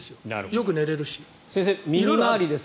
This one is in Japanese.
よく寝れるし。